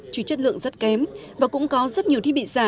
chứ chất lượng rất kém và cũng có rất nhiều thiết bị giả